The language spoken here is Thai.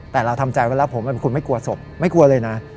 แต่เราทำใจเวลาผมคุณไม่กลัวศพไม่กลัวเลยนะ